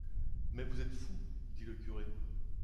Mais vous êtes fou! dit le curé.